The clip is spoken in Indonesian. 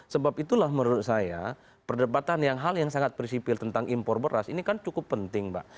sebab itulah menurut saya perdebatan yang hal yang sangat prinsipil tentang impor beras ini kan cukup penting mbak